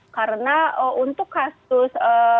karena untuk kasus